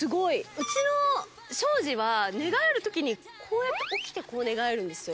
うちの庄司は寝返る時にこうやって起きてこう寝返るんですよ。